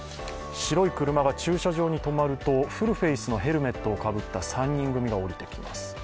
白い車が駐車場に止まるとフルフェイスのヘルメットをかぶった３人組が降りてきます。